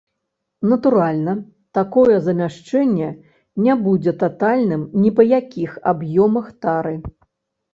Натуральна, такое замяшчэнне не будзе татальным ні па якіх аб'ёмах тары.